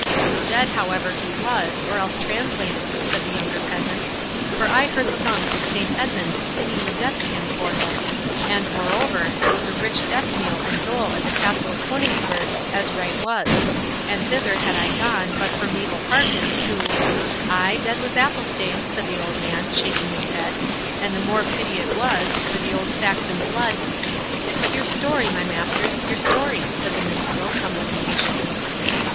"Dead, however, he was, or else translated," said the younger peasant; "for I heard the Monks of Saint Edmund's singing the death's hymn for him; and, moreover, there was a rich death meal and dole at the Castle of Coningsburgh, as right was; and thither had I gone, but for Mabel Parkins, who—" "Ay, dead was Athelstane," said the old man, shaking his head, "and the more pity it was, for the old Saxon blood—" "But, your story, my masters—your story," said the Minstrel, somewhat impatiently.